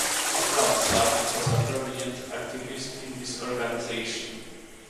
Schwartzbard was a prominent activist in this organization.